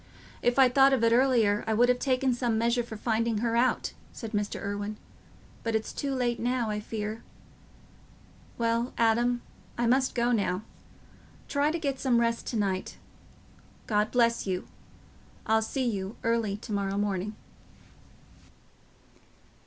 "If I'd thought of it earlier, I would have taken some measures for finding her out," said Mr. Irwine, "but it's too late now, I fear... Well, Adam, I must go now. Try to get some rest to night. God bless you. I'll see you early to morrow morning."